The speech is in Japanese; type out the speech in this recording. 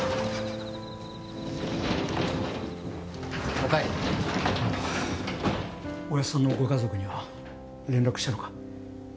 おかえりおやっさんのご家族には連絡したのか？